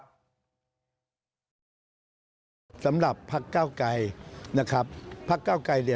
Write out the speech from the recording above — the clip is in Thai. สำหรับพักก้าวกลายนะครับ